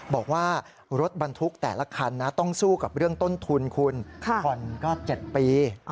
บอกว่ารถบรรทุกแต่ละคันนะต้องสู้กับเรื่องต้นทุนคุณผ่อนก็๗ปี